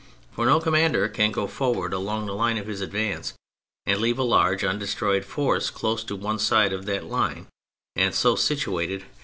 For no commander can go forward along the line of his advance and leave a large undestroyed force close to one side of that line, and so situated that it Oiink'rlt \